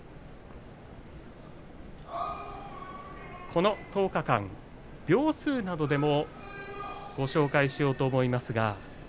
この１０日間秒数などでもご紹介しようと思います。